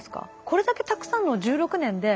これだけたくさんのを１６年で。